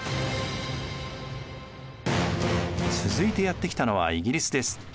続いてやって来たのはイギリスです。